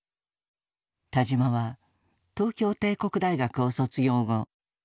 田島は東京帝国大学を卒業後金融界で活躍。